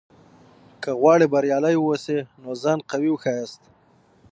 که غواړې بریالی واوسې؛ نو ځان قوي وښیاست!